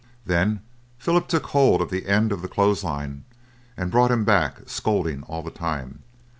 Then Philip took hold of the end of the clothes line and brought him back, scolding all the time.